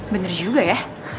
bener juga ya